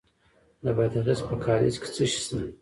د بادغیس په قادس کې څه شی شته؟